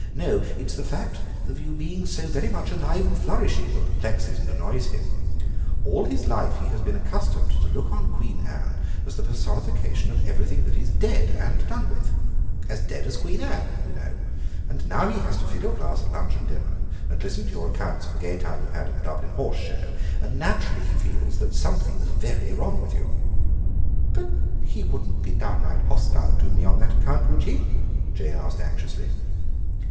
No, it's the fact of you being so very much alive and flourishing that perplexes and annoys him. All his life he has been accustomed to look on Queen Anne as the personification of everything that is dead and done with, 'as dead as Queen Anne,' you know; and now he has to fill your glass at lunch and dinner and listen to your accounts of the gay time you had at the Dublin Horse Show, and naturally he feels that something's very wrong with you." "But he wouldn't be downright hostile to me on that account, would he?" Jane asked anxiously.